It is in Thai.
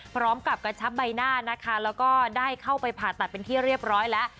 พร้อมกับกระชับใบหน้านะคะแล้วก็ได้เข้าไปผ่าตัดเป็นที่เรียบร้อยแล้ว